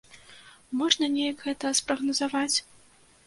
Можна неяк гэта спрагназаваць?